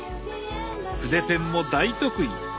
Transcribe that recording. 筆ペンも大得意！